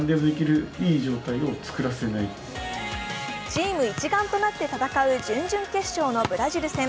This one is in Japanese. チーム一丸となって戦う準々決勝のブラジル戦。